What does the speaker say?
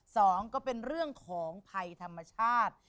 สองก็เป็นเรื่องของภัยธรรมชาติ